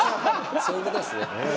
そういうことですね。